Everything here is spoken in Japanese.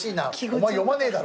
「お前読まねえだろ」